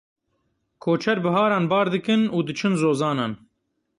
Koçer biharan bar dikin û diçin zozanan.